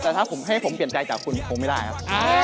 แต่ถ้าผมให้ผมเปลี่ยนใจจากคุณคงไม่ได้ครับ